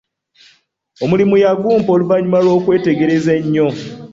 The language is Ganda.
Omulimu yagumpa oluvanyuma lw'okuneetegereza ennyo.